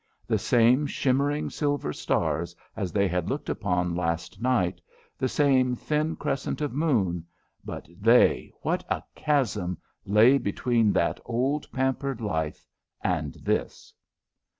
The same shimmering silver stars as they had looked upon last night, the same thin crescent of moon but they, what a chasm lay between that old pampered life and this!